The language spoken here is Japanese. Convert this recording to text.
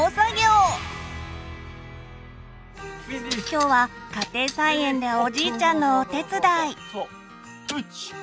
今日は家庭菜園でおじいちゃんのお手伝い。